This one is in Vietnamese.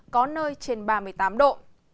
có nơi trên ba mươi tám độ